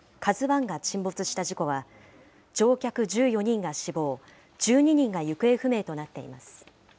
ＫＡＺＵＩが沈没した事故は、乗客１４人が死亡、１２人が行方不明となっています。